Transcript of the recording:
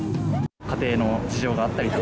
家庭の事情があったりとか。